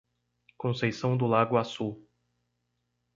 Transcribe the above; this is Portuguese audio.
Conceição do Lago Açu